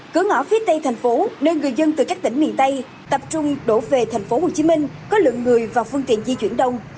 cửa ngõ phía tây thành phố nơi người dân từ các tỉnh miền tây tập trung đổ về tp hcm có lượng người và phương tiện di chuyển đông